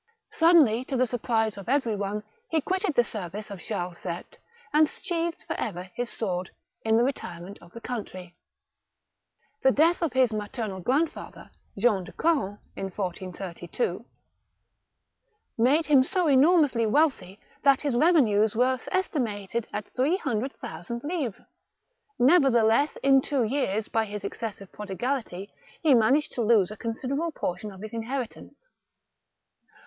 Suddenly, to the surprise of every one, he quitted the service of Charles VH., and sheathed for ever his sword, in the retirement of the country. The death of his maternal grandfather, Jean de Craon, in 1432, made him so enormously wealthy, that his revenues were estimated at 300,000 livres ; nevertheless, in two years, by his excessive prodigality, he managed to lose a THE MAr6cHAL DE RETZ. 185 considerable portion of his inheritance.